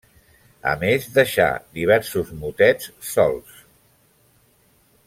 A més, deixà, diversos motets solts.